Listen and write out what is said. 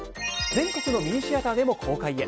全国のミニシアターでも公開へ。